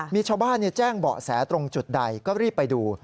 มีชาวบ้านแจ้งเบาะแสตรงจุดใดก็รีบไปดู